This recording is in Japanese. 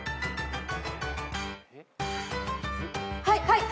はい！